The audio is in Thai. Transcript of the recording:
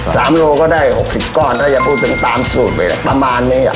สามโลก็ได้หกสิบก้อนถ้าอยากพูดถึงตามสูตรไปแหละประมาณนี้อ่ะ